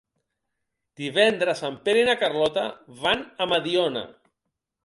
Divendres en Pere i na Carlota van a Mediona.